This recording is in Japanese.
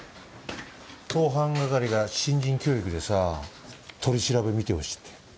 盗犯係が新人教育でさ取り調べ見てほしいって。